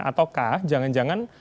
atau kah jangan jangan